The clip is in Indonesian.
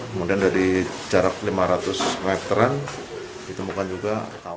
kemudian dari jarak lima ratus meteran ditemukan juga